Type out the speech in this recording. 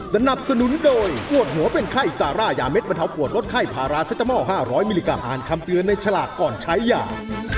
สนับสนุนโดยปวดหัวเป็นไข้ซาร่ายาเด็ดบรรเทาปวดลดไข้พาราเซตามอล๕๐๐มิลลิกรัมอ่านคำเตือนในฉลากก่อนใช้ยา